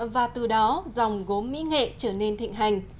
và từ đó dòng gốm mỹ nghệ trở nên thịnh hành